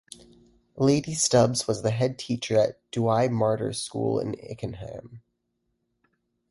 Lady Stubbs was the headteacher at Douay Martyrs School in Ickenham.